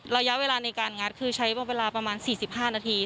ระยะเวลาในการงัดคือใช้เวลาประมาณ๔๕นาที